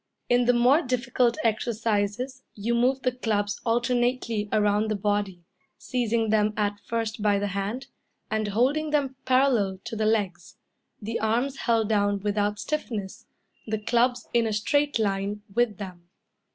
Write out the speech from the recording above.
In the more difficult exercises you move the clubs alternately around the body, seizing them at first by the hand, and holding them parallel to the legs, the arms held down without stiffness, the clubs in a straight line with them.